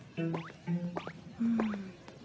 うん。